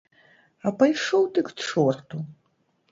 А пайшоў ты к чорту!